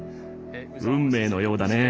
運命のようだね。